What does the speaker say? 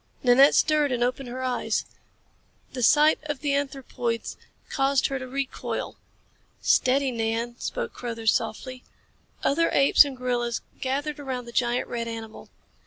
Nanette stirred and opened her eyes. The sight of the anthropoids caused her to recoil. "Steady, Nan," spoke Carruthers softly. Other apes and gorillas gathered around the giant red animal.